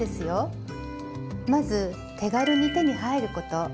まず手軽に手に入ること。